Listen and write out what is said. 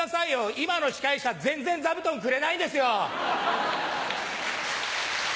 今の司会者全然座布団くれないんですよ。